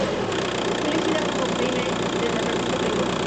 Fue elegida como Playmate de la revista Playboy.